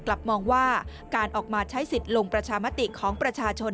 กลับมองว่าการออกมาใช้สิทธิ์ลงประชามติของประชาชน